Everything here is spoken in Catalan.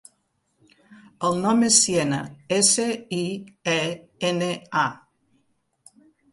El nom és Siena: essa, i, e, ena, a.